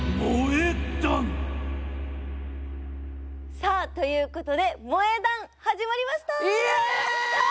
さあということで「萌え断」始まりました！